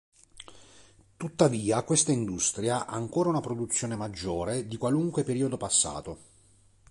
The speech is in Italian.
Tuttavia, questa industria ha ancora una produzione maggiore di qualunque periodo passato.